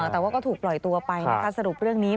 แต่ว่าก็ถูกปล่อยตัวไปนะคะสรุปเรื่องนี้